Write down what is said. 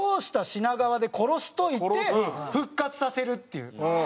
品川」で殺しといて復活させるっていう。